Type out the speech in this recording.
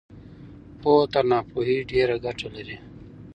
پوهه تر ناپوهۍ ډېره ګټه لري.